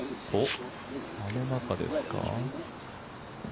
あの中ですか。